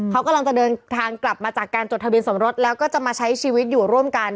เขากำลังจะเดินทางกลับมาจากการจดทะเบียนสมรสแล้วก็จะมาใช้ชีวิตอยู่ร่วมกัน